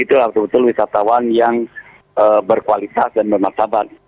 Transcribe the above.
itu adalah betul betul wisatawan yang berkualitas dan bermaksaban